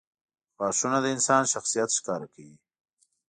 • غاښونه د انسان شخصیت ښکاره کوي.